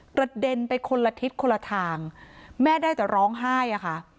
กระเด็นไปคนละทิศคนละทางแม่ได้แต่ร้องไห้อะค่ะ